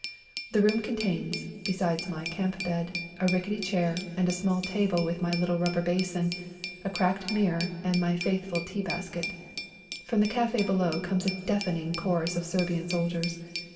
The room contains (besides my camp bed) a rickety chair, and a small table with my little rubber basin, a cracked mirror and my faithful tea basket. From the cafe below comes a deafening chorus of Serbian soldiers.